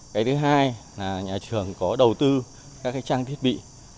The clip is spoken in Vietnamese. cái thứ hai là nhà trường có đầu tư các trang thiết bị